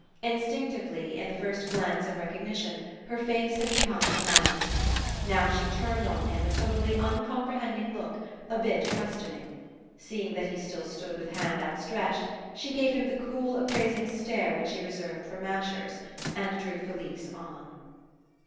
Instinctively, in the first glance of recognition, her face had become a mask. Now she turned on him a totally uncomprehending look, a bit question ing. Seeing that he still stood with hand out stretched, she gave him the cool appraising stare which she reserved for mashers, and drew Felise on.